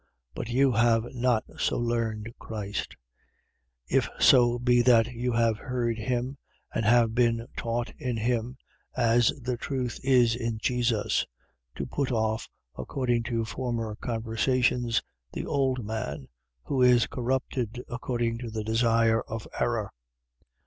4:20. But you have not so learned Christ: 4:21. If so be that you have heard him and have been taught in him, as the truth is in Jesus: 4:22. To put off, according to former conversation, the old man, who is corrupted according to the desire of error.